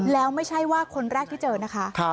แล้วไม่ใช่ว่าคนแรกที่เจอนะคะ